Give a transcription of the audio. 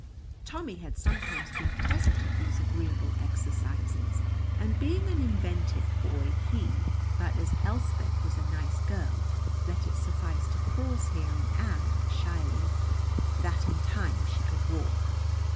Tommy had sometimes been present at these agreeable exercises, and being an inventive boy he But as Elspeth was a nice girl, let it suffice to pause here and add shyly, that in time she could walk.